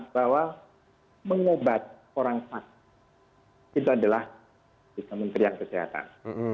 bahwa mengobat orang sakit itu adalah kita menteri kesehatan